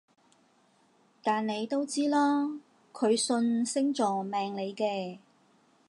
但你都知啦，佢信星座命理嘅